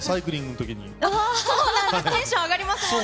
テンション上がりますもんね。